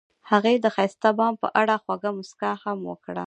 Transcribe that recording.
هغې د ښایسته بام په اړه خوږه موسکا هم وکړه.